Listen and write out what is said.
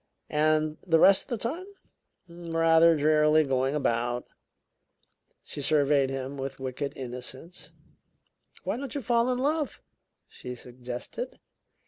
"And the rest of the time?" "Rather drearily going about." She surveyed him with wicked innocence. "Why don't you fall in love?" she suggested.